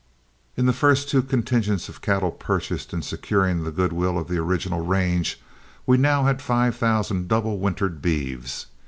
In the first two contingents of cattle purchased in securing the good will of the original range, we now had five thousand double wintered beeves.